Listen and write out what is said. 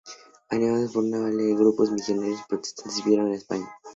Animados por esta nueva ley, grupos de misioneros protestantes vinieron a España.